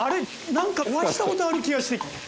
何かお会いしたことある気がして。